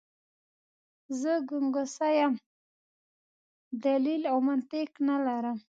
زه ګنګسه یم، دلیل او منطق نه لرم.